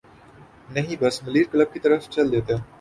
نہیں بس ملیر کلب کی طرف چل دیتے۔